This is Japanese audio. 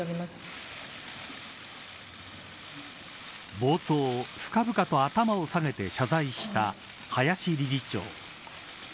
冒頭深々と頭を下げて謝罪した林理事長。